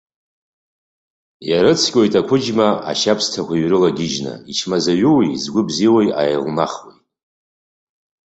Иарыцқьоит ақәыџьма, ашьабсҭақәа иҩарылагьежьны, ичмазаҩуи згәы бзиоуи ааилнахуеит.